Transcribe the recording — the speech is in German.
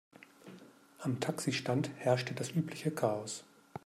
Am Taxistand herrschte das übliche Chaos.